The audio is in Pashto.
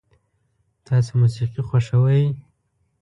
تاسو موسیقي خوښوئ؟